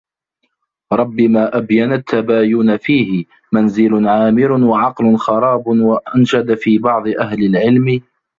رَبِّ مَا أَبْيَنَ التَّبَايُنَ فِيهِ مَنْزِلٌ عَامِرٌ وَعَقْلٌ خَرَابُ وَأَنْشَدَ فِي بَعْضِ أَهْلِ الْعِلْمِ